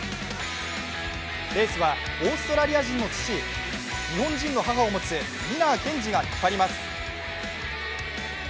レースは、オーストラリア人の父日本人の母を持つニナー賢治が引っ張ります。